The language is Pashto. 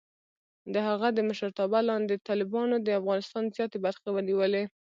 د هغه د مشرتابه لاندې، طالبانو د افغانستان زیاتې برخې ونیولې.